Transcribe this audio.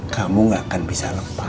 kamu gak akan bisa lepas